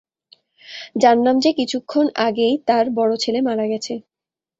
জানলাম যে কিছুক্ষণ আগেই তাঁর বড় ছেলে মারা গেছে।